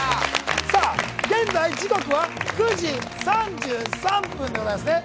現在時刻は９時３３分でございますね。